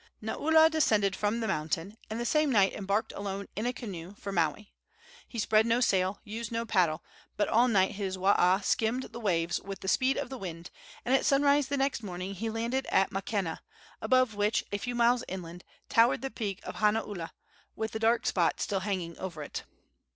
Naula descended from the mountain, and the same night embarked alone in a canoe for Maui. He spread no sail, used no paddle, but all night his waa skimmed the waves with the speed of the wind, and at sunrise the next morning he landed at Makena, above which, a few miles inland, towered the peak of Hanaula, with the dark spot still hanging over it.